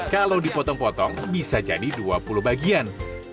kalau dipotong potong bisa jadi dua puluh bagian